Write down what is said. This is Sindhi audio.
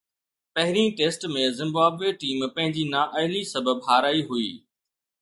پهرين ٽيسٽ ۾ زمبابوي ٽيم پنهنجي نااهلي سبب هارائي هئي